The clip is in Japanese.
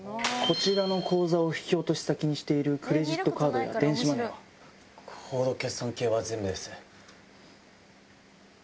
こちらの口座を引き落とし先にしているクレジットカードや電子マネーは？